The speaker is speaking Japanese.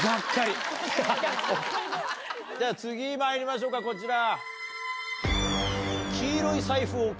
次まいりましょうかこちら。